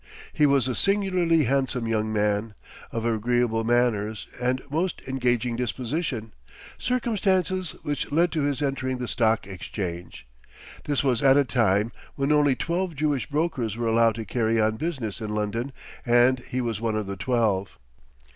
He was a singularly handsome young man, of agreeable manners and most engaging disposition, circumstances which led to his entering the Stock Exchange. This was at a time when only twelve Jewish brokers were allowed to carry on business in London, and he was one of the twelve.